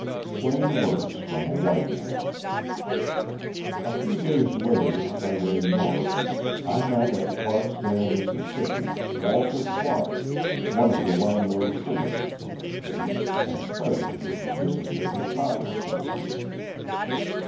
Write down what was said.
'" Plain Words from a White Man A few days later on my way North I met at Clarksdale, Miss., Walter Clark, one of the well known citizens of the state and President of the Mississippi Cotton Association.